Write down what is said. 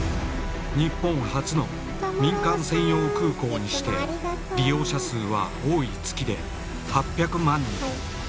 日本初の民間専用空港にして利用者数は多い月で８００万人。